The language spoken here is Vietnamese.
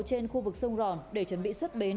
trên khu vực sông ròn để chuẩn bị xuất bến